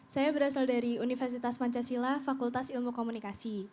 saya berasal dari universitas pancasila fakultas ilmu komunikasi